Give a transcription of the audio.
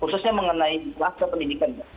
khususnya mengenai kelas pendidikan